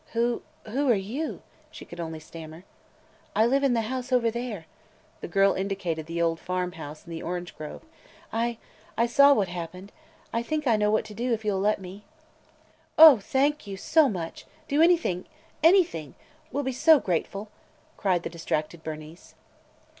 "Who – who are you?" she could only stammer. "I live in the house – over there." The girl indicated the old farm house in the orange grove. "I – I saw what happened. I think I know what to do – if you 'll let me?" "Oh – thank you – so much! Do anything – anything! We 'll be so grateful!" cried the distracted Bernice.